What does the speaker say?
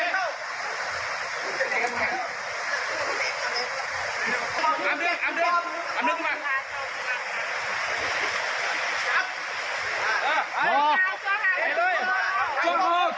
ล้อเจ็บล้อเจ็บล้อเจ็บล้อเจ็บ